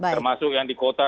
termasuk yang di kota